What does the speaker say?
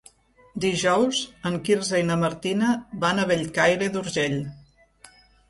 Dijous en Quirze i na Martina van a Bellcaire d'Urgell.